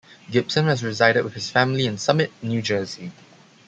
Gibson has resided with his family in Summit, New Jersey.